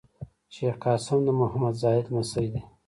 شېخ قاسم د محمد زاهد لمسی دﺉ.